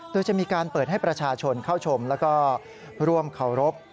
โดยจะมีการเปิดให้ประชาชนเข้าชมแล้วก็ร่วมเคารพ